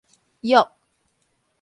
欲